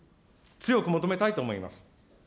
強く求めたいと思います。